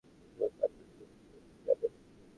এখন উত্তর আটলান্টিকের কী অবস্থা জানেন?